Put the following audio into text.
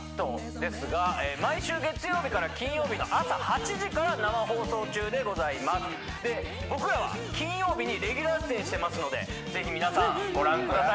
ですが毎週月曜日から金曜日の朝８時から生放送中でございますで僕らは金曜日にレギュラー出演してますのでぜひ皆さんご覧ください